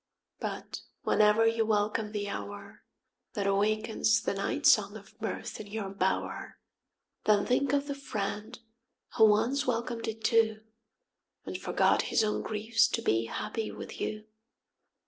— but whenever you welcome the hour That awakens the night song of mirth in your bower, MOORE 34 T Then think of the friend who once welcomed it too, And forgot his own griefs to be happy with you.